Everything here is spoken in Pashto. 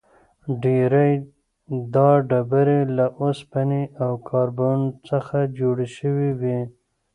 ډېری دا ډبرې له اوسپنې او کاربن څخه جوړې شوې وي.